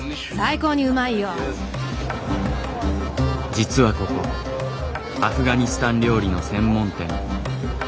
実はここアフガニスタン料理の専門店。